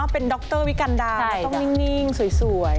เป็นดรวิกันดาต้องนิ่งสวย